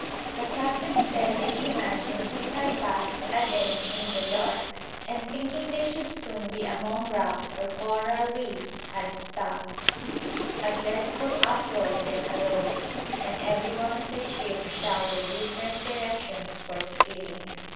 The captain said they imagined we had passed Aden in the dark, and thinking they should soon be among rocks or coral reefs had stopped; a dreadful uproar then arose, and everyone on the ship shouted different directions for steering.